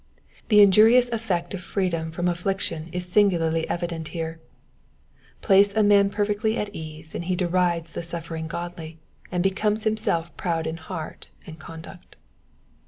The injurious effect of freedom from affliction is singularly evident here. Place a man perfectly at ease and he derides the su&ring godly, and becomes himself proud in heart and conduct.